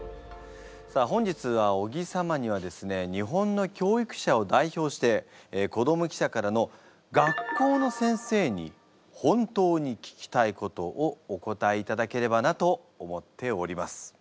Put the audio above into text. さあ本日は尾木様にはですね日本の教育者を代表して子ども記者からのをお答えいただければなと思っております。